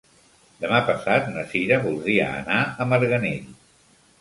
Demà passat na Cira voldria anar a Marganell.